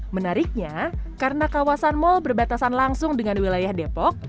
menariknya karena kawasan mal berbatasan langsung dengan wilayah depok